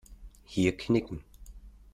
Hier knicken.